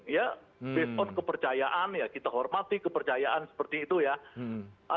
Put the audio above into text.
based on kepercayaan kita hormati kepercayaan seperti itu ya